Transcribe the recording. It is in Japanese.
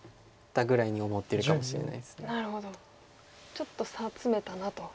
ちょっと差詰めたなと。